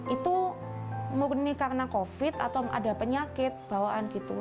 itu murni karena covid atau ada penyakit bawaan gitu